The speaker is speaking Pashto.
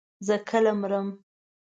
زه کله مرمه.